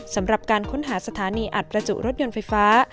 สำหรับการค้นหาสถานีอัดประจุรถยนต์ไฟฟ้า